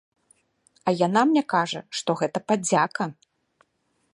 А яна мне кажа, што гэта падзяка.